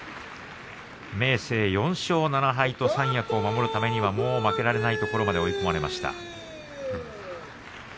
明生、４勝７敗と三役を守るためには負けられないところに追い込まれました。